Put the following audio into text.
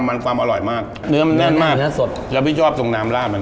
อร่อยมากเนื้อมันแน่นมากเนื้อมันแน่นมากสดแล้วพี่ชอบทรงน้ำร่ามัน